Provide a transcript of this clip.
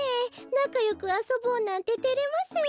なかよくあそぼうなんててれますよ。